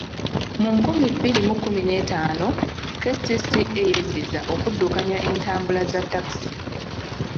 Mu nkumi bbiri mu kkumi n'etaano, KCCA yeddiza okuddukanya entambula za takisi.